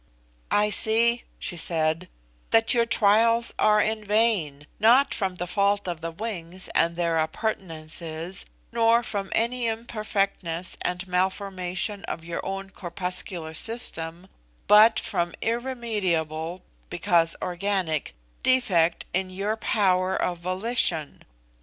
"I see," she said, "that your trials are in vain, not from the fault of the wings and their appurtenances, nor from any imperfectness and malformation of your own corpuscular system, but from irremediable, because organic, defect in your power of volition.